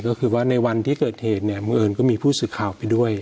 ก็คือว่าในวันที่เกิดเหตุเนี่ยบังเอิญก็มีผู้สื่อข่าวไปด้วย